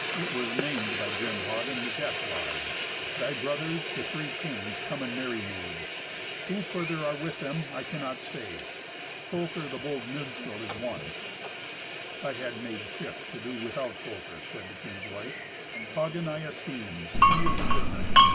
It was named by grim Hagen the death ride. Thy brothers, the three kings, come in merry mood. Who further are with them I cannot say. Folker, the bold minstrel, is one." "I had made shift to do without Folker," said the king's wife. "Hagen I esteem; he is a good knight.